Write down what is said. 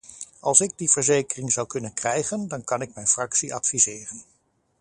Als ik die verzekering zou kunnen krijgen, dan kan ik mijn fractie adviseren.